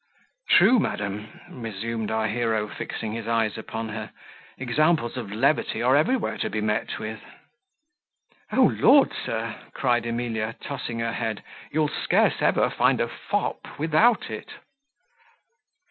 "True, madam," resumed our hero, fixing his eyes upon her; "examples of levity are every where to be met with." "Oh Lord, sir," cried Emilia, tossing her head, "you'll scarce ever find a fop without it."